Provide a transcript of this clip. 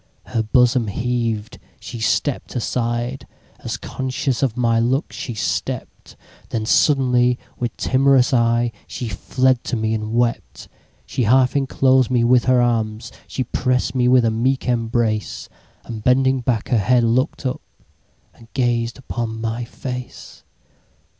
Her bosom heaved—she stepp'd aside, As conscious of my look she stept—Then suddenly, with timorous eyeShe fled to me and wept. She half enclosed me with her arms, She press'd me with a meek embrace; And bending back her head, look'd up, And gazed upon my face.